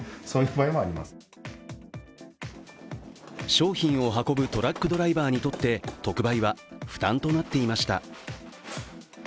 商品を運ぶトラックドライバーにとって特売は負担となっていました。